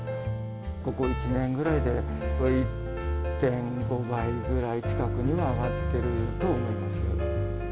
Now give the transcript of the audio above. ここ１年ぐらいで１．５倍ぐらい近くには上がってると思います。